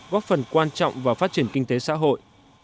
góp phần quan trọng vào phát triển kinh tế xã hội